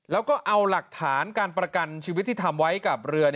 แล้วก็เอาหลักฐานการประกันชีวิตที่ทำไว้กับเรือ